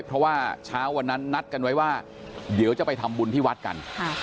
เพราะว่าเช้าวันนั้นนัดกันไว้ว่าเดี๋ยวจะไปทำบุญที่วัดกัน